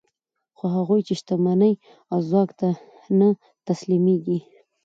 خو هغوی چې شتمنۍ او ځواک ته نه تسلیمېږي